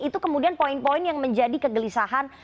itu kemudian poin poin yang menjadi kegelisahan